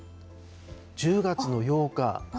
１０月の８日。